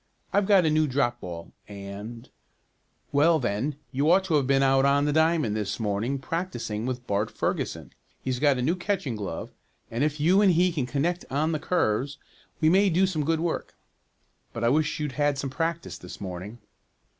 I've got a new drop ball, and " "Well, then, you'd ought to have been out on the diamond this morning, practicing with Bart Ferguson. He's got a new catching glove, and if you and he can connect on the curves we may do some good work. But I wish you'd had some practice this morning."